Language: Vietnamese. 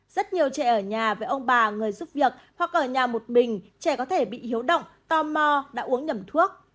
rất nhiều trẻ ở nhà với ông bà người giúp việc hoặc ở nhà một mình trẻ có thể bị hiếu động tò mò đã uống nhậm thuốc